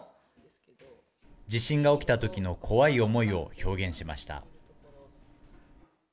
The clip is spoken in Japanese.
地震が起きたときの怖い思いを表現しました。